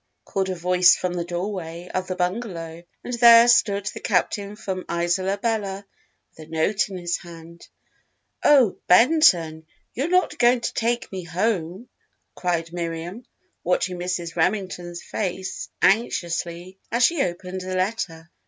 called a voice from the doorway of the bungalow, and there stood the Captain from Isola Bella with a note in his hand. "Oh Benton, you're not going to take me home?" cried Miriam, watching Mrs. Remington's face anxiously as she opened the letter.